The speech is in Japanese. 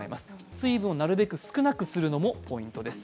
水分をなるべく少なくするのもポイントです。